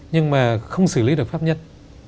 nhưng mà không xử lý được pháp nhân